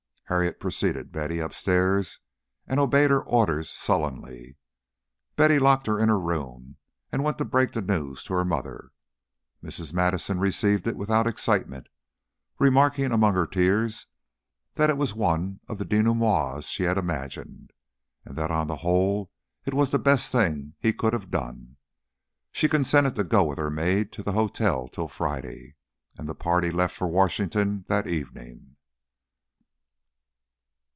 Harriet preceded Betty upstairs, and obeyed her orders sullenly. Betty locked her in her room, and went to break the news to her mother. Mrs. Madison received it without excitement, remarking among her tears that it was one of the denouements she had imagined, and that on the whole it was the best thing he could have done. She consented to go with her maid to the hotel till Friday, and the party left for Washington that evening.